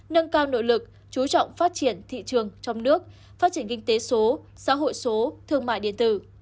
nâng cao nội lực chú trọng phát triển thị trường trong nước phát triển kinh tế số xã hội số thương mại điện tử